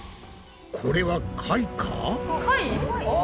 これは貝か！？